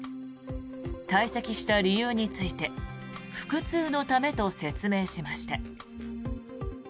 退席した理由について腹痛のためと説明しました。